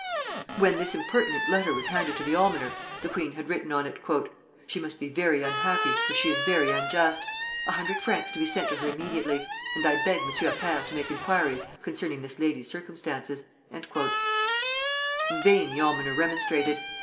When this impertinent letter was handed to the almoner, the queen had written on it: "She must be very unhappy, for she is very unjust. A hundred francs to be sent to her immediately, and I beg M. Appert to make inquiries concerning this lady's circumstances." In vain the almoner remonstrated.